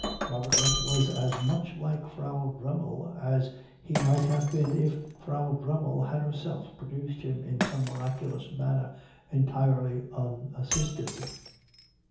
Robertlet was as much like Frau Dremmel as he might have been if Frau Dremmel had herself produced him in some miraculous manner entirely unassisted.